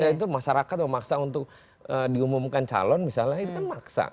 ya itu masyarakat memaksa untuk diumumkan calon misalnya itu kan maksa